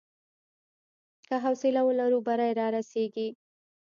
که حوصله ولرو، بری رارسېږي.